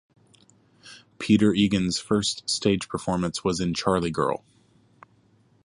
Peter Egan's first stage performance was in 'Charlie Girl'.